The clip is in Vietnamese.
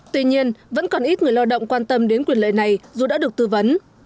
tuy nhiên vẫn còn ít người lao động quan tâm đến quyền lợi này dù đã được tư vấn